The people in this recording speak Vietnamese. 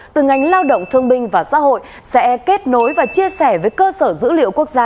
từ ngành lao động thương binh và xã hội sẽ kết nối và chia sẻ với cơ sở dữ liệu quốc gia